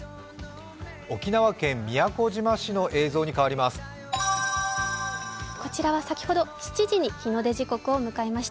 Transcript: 沖縄県宮古島市の映像に変わります。